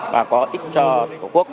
và có ích cho tổ quốc